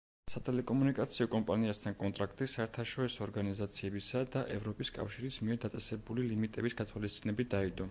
სატელეკომუნიკაციო კომპანიასთან კონტრაქტი, საერთაშორისო ორგანიზაციებისა და ევროპის კავშირის მიერ დაწესებული ლიმიტების გათვალისწინებით დაიდო.